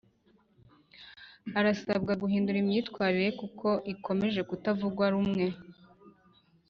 arasabwa guhindura imyatwirire ye kuko ikomeje kutavugwa rumwe